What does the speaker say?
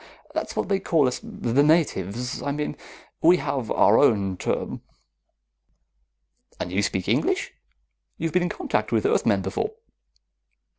That's what they call us, the natives, I mean. We have our own term." "And you speak English? You've been in contact with Earthmen before?"